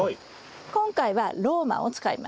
今回はローマンを使います。